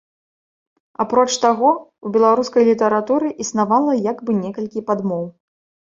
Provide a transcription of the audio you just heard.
Апрача таго, у беларускай літаратуры існавала як бы некалькі падмоў.